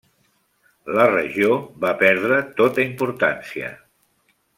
La regió va perdre tota importància.